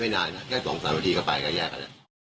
ไม่นานแค่สองสามนาทีเข้าไปก็แยกกัน